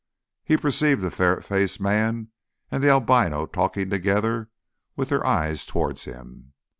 He perceived the ferret faced man and the albino talking together with their eyes towards him.